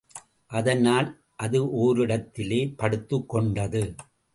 அதனால் அது ஓரிடத்திலே படுத்துக்கொண்டது.